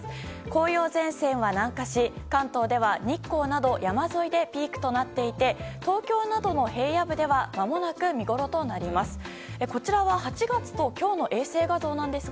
紅葉前線は南下し関東では日光など山沿いでピークとなっていて東京などの平野部ではまもなく見ごろとなります。